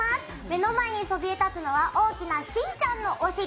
目の前にそびえたつのは大きなしんちゃんのお尻。